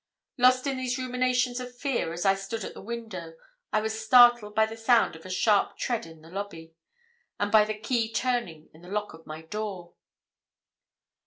Lost in these ruminations of fear, as I stood at the window I was startled by the sound of a sharp tread on the lobby, and by the key turning in the lock of my door.